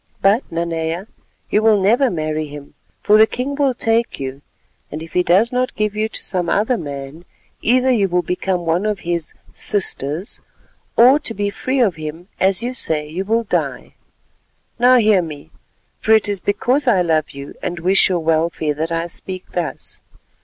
But, Nanea, you will never marry him, for the king will take you; and, if he does not give you to some other man, either you will become one of his 'sisters,' or to be free of him, as you say, you will die. Now hear me, for it is because I love you and wish your welfare that I speak thus.